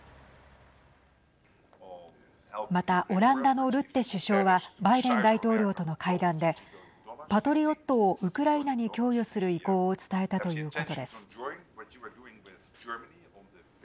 また、オランダのルッテ首相はバイデン大統領との会談でパトリオットをウクライナに供与する意向を伝えたということです。